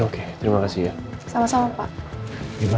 ketemu di apartemenera kita